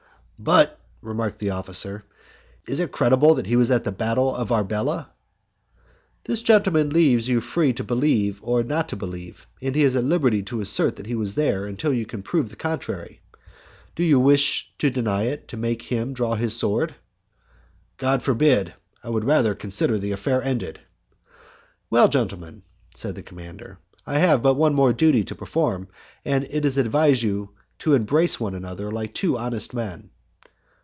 "But," remarked the officer, "is it credible that he was at the battle of Arbela?" "This gentleman leaves you free to believe or not to believe, and he is at liberty to assert that he was there until you can prove the contrary. Do you wish to deny it to make him draw his sword?" "God forbid! I would rather consider the affair ended." "Well, gentlemen," said the commander, "I have but one more duty to perform, and it is to advise you to embrace one another like two honest men."